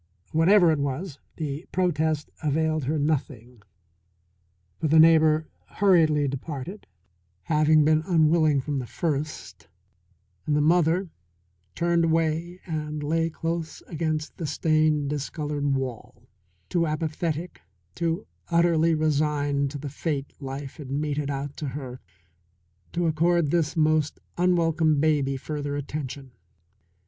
Whatever it was, this protest availed her nothing, for the neighbour hurriedly departed, having been unwilling from the first, and the mother turned away and lay close against the stained, discoloured wall, too apathetic, too utterly resigned to the fate life had meted out to her to accord this most unwelcome baby further attention.